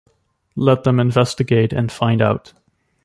Let them investigate and find out.